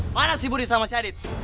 mana sih budi sama si adit